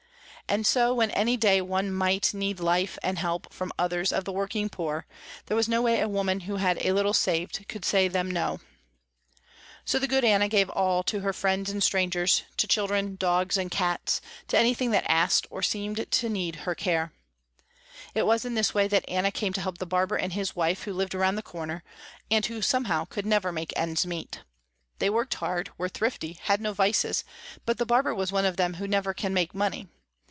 And so when any day one might need life and help from others of the working poor, there was no way a woman who had a little saved could say them no. So the good Anna gave her all to friends and strangers, to children, dogs and cats, to anything that asked or seemed to need her care. It was in this way that Anna came to help the barber and his wife who lived around the corner, and who somehow could never make ends meet. They worked hard, were thrifty, had no vices, but the barber was one of them who never can make money.